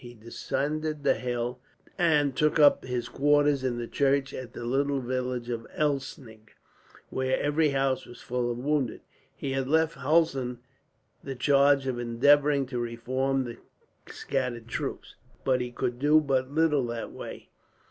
He descended the hill, and took up his quarters in the church at the little village of Elsnig, where every house was full of wounded. He had left Hulsen the charge of endeavouring to reform the scattered troops, but he could do but little that way.